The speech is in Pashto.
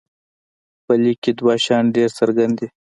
په لیک کې دوه شیان ډېر څرګند دي.